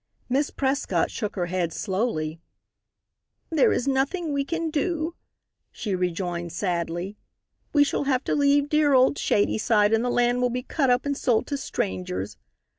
Miss Prescott shook her head slowly. "There is nothing we can do," she rejoined, sadly. "We shall have to leave dear old Shadyside and the land will be cut up and sold to strangers.